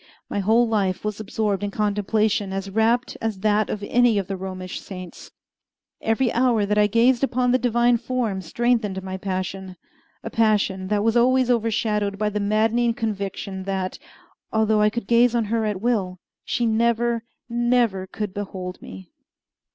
My whole life was absorbed in contemplation as rapt as that of any of the Romish saints. Every hour that I gazed upon the divine form strengthened my passion a passion that was always overshadowed by the maddening conviction that, although I could gaze on her at will, she never, never could behold me!